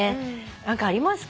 何かありますか？